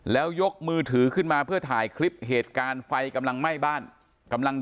แล้วยกมือถือขึ้นมาเพื่อถ่ายคลิปเหตุการณ์ไฟกำลังไหม้บ้านกำลัง